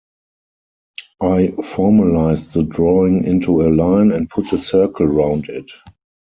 I formalised the drawing into a line and put a circle round it.